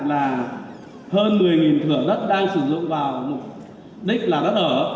là hơn một mươi thửa đất đang sử dụng vào mục đích là đất ở